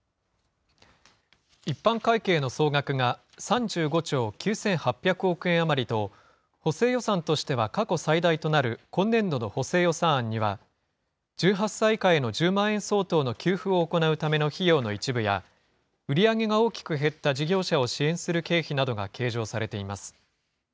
一般会計の総額が３５兆９８００億円余りと、補正予算としては過去最大となる今年度の補正予算案には、１８歳以下への１０万円相当の給付を行うための費用の一部や売り上げが大きく減った事業者を支援する経費などが計上されています。